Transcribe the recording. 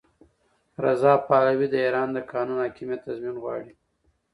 رضا پهلوي د ایران د قانون حاکمیت تضمین غواړي.